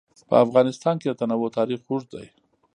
په افغانستان کې د تنوع تاریخ اوږد دی.